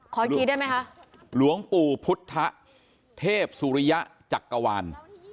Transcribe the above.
ขออีกทีได้ไหมคะหลวงปู่พุทธเทพสุริยะจักรวาล